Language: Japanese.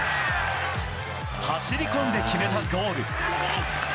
走り込んで決めたゴール。